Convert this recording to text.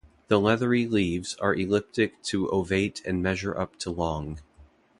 The leathery leaves are elliptic to ovate and measure up to long.